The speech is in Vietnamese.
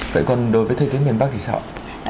vậy còn đối với thời tiết miền bắc thì sao